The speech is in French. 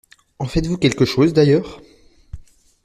En faites-vous quelque chose, d’ailleurs?